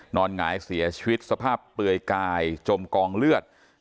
หงายเสียชีวิตสภาพเปลือยกายจมกองเลือด